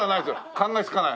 考えつかない。